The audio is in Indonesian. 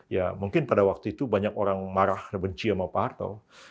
ya mungkin pada waktu itu banyak orang marah benci sama pak harto